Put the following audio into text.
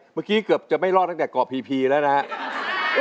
เมื่อกี้จะไม่ลอกจากก่อพี่พีแล้วนะฮะ